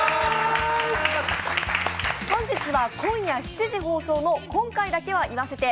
本日は今夜７時放送の「今回だけ言わせて！